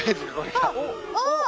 あっ！